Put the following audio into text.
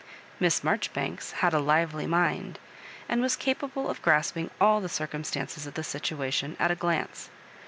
Miss Marjoribanks had a lively mind, and was capable of grasping all the circumstances of the situation at a glance.